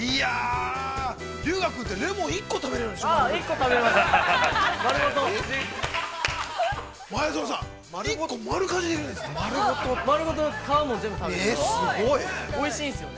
龍我君って、レモン１個食べれるんですね。